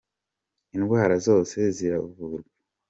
indwara zose ziravurwa.